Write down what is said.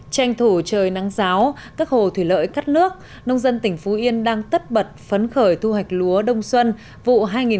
tranh thủ trời nắng ráo các hồ thủy lợi cắt nước nông dân tỉnh phú yên đang tất bật phấn khởi thu hoạch lúa đông xuân vụ hai nghìn một mươi bảy hai nghìn một mươi tám